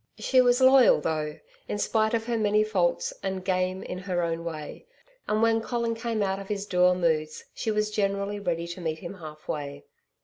She was loyal though, in spite of her many faults, and 'game' in her own way and when Colin came out of his dour moods, she was generally ready to meet him half way.